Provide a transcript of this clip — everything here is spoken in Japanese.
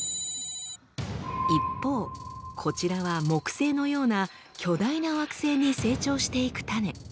一方こちらは木星のような巨大な惑星に成長していく種。